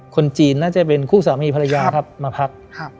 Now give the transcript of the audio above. คนจีนน่าจะเป็นคู่สามีภรรยาครับมาพัก